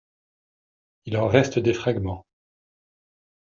Il en reste des fragments.